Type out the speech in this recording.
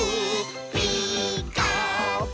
「ピーカーブ！」